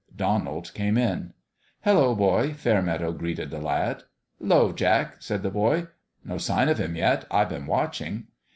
Donald came in. " Hello, boy !" Fairmeadow greeted the lad. "'Lo, Jack," said the boy. "No sign of him yet. I've been watching."